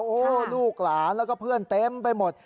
โอ้โหลูกหลานแล้วก็เพื่อนเต็มไปหมด